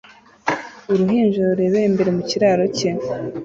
Uruhinja rurebera imbere mu kiraro cye